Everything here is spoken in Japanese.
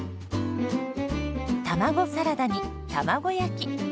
卵サラダに卵焼き。